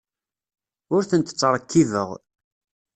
Ur tent-ttṛekkibeɣ.